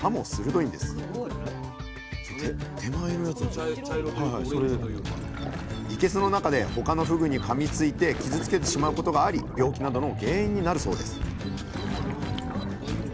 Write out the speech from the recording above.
いけすの中で他のふぐにかみついて傷つけてしまうことがあり病気などの原因になるそうです